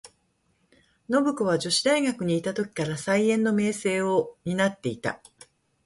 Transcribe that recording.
信子は女子大学にゐた時から、才媛の名声を担ってゐた。